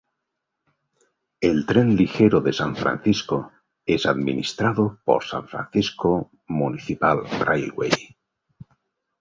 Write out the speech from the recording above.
El Tren Ligero de San Francisco es administrado por San Francisco Municipal Railway.